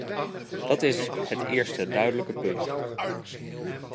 Dat is het eerste duidelijke punt.